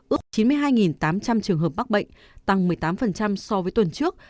ước chín mươi hai tám trăm linh trường hợp mắc bệnh tăng một mươi tám so với tuần trước